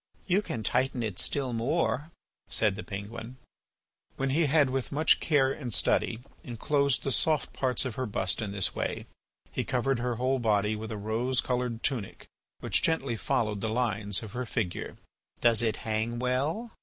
"You can tighten it still more," said the penguin. When he had, with much care and study, enclosed the soft parts of her bust in this way, he covered her whole body with a rose coloured tunic which gently followed the lines of her figure. "Does it hang well?"